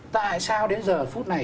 tại sao đến giờ phút này